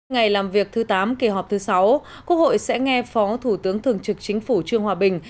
ngày làm việc thứ tám kỳ họp thứ sáu quốc hội sẽ nghe phó thủ tướng thường trực chính phủ trương hòa bình